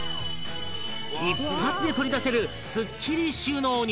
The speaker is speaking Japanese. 一発で取り出せるすっきり収納に